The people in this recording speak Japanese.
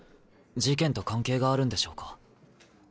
事件と関係があるんでしょうか？